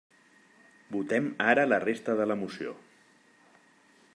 Votem ara la resta de la moció.